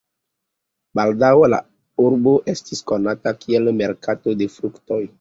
Baldaŭ la urbo estis konata kiel merkato de fruktoj.